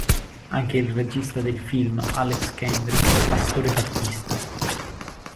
Anche il regista del film, Alex Kendrick, è pastore battista.